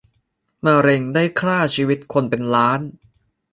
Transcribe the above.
มะเร็งได้คร่าชีวิตคนเป็นล้าน